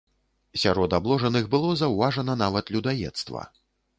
Сярод абложаных было заўважана нават людаедства.